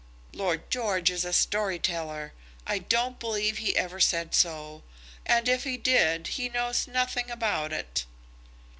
"Lord George is a story teller. I don't believe he ever said so. And if he did, he knows nothing about it."